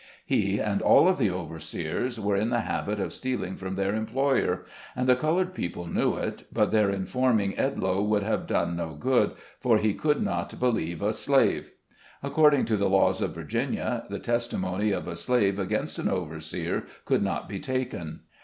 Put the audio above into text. He, and all of the overseers, were in the habit of steal OVERSEERS. Ill ing from their employer, and the colored people knew it, but their informing Edloe would have done no good, for he could not believe a slave. Accord ing to the laws of Virginia, the testimony of a slave against an overseer could not be taken.